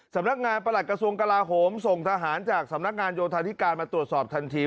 สำนักงานประหลัดกระทรวงกลาโหมส่งทหารจากสำนักงานโยธาธิการมาตรวจสอบทันที